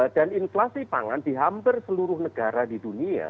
dan inflasi pangan di hampir seluruh negara di dunia